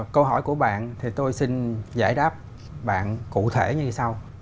câu hỏi của bạn thì tôi xin giải đáp bạn cụ thể như sau